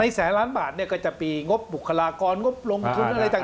แสนล้านบาทเนี่ยก็จะมีงบบุคลากรงบลงทุนอะไรต่าง